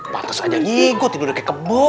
pantes aja ngiguk tidur kayak kebuk